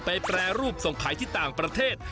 แปรรูปส่งขายที่ต่างประเทศ